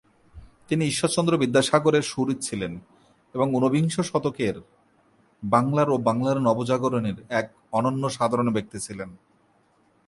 তিনি ঈশ্বরচন্দ্র বিদ্যাসাগরের সুহৃদ ছিলেন এবং ঊনবিংশ শতকের বাংলার ও বাংলার নবজাগরণের এক অনন্য সাধারণ ব্যক্তি ছিলেন।